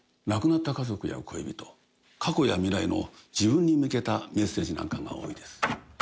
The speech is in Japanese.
亡くなった家族や恋人過去や未来の自分に向けたメッセージなんかが多いです。